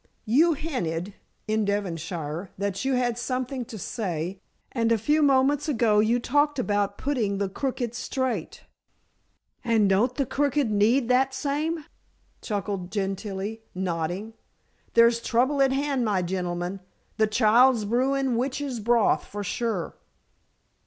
"You hinted, in Devonshire, that you had something to say, and a few moments ago you talked about putting the crooked straight." "And don't the crooked need that same?" chuckled Gentilla, nodding. "There's trouble at hand, my gentleman. The child's brewing witch's broth, for sure."